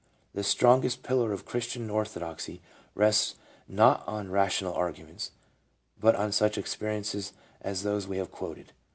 The strongest pillar of Christian " orthodoxy " rests not on rational argu ments, but on such experiences as those we have quoted.